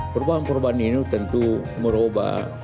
perubahan perubahan ini tentu merubah